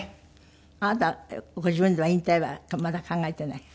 あなたご自分では引退はまだ考えていない？